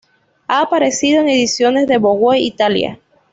Ha aparecido en ediciones de Vogue Italia.